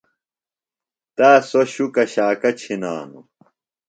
تا سوۡ شُکہ شاکہ چِھنانوۡ۔